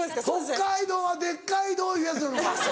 「北海道はでっかいどう」いうやつなのか。